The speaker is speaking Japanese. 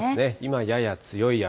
今、やや強い雨。